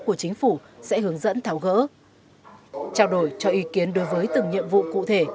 của chính phủ sẽ hướng dẫn tháo gỡ trao đổi cho ý kiến đối với từng nhiệm vụ cụ thể